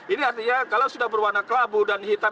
ini artinya kalau sudah berwarna kelabu dan hitam